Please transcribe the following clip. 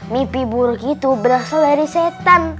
mimpi buruk itu berasal dari setan